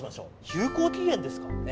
有効期限ですか？